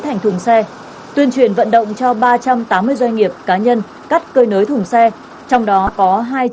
thành thùng xe tuyên truyền vận động cho ba trăm tám mươi doanh nghiệp cá nhân cắt cơi nới thùng xe trong đó có